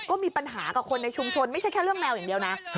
ก็มีปัญหากับคนในชุมชนไม่ใช่แค่เรื่องแมวอย่างเดียวนะ